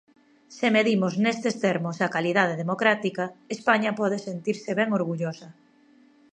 Se medimos neste termos a calidade democrática, España pode sentirse ben orgullosa.